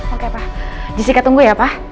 oke pak jessica tunggu ya pak